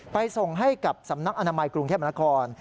ส่งให้กับสำนักอนามัยกรุงเทพมนาคม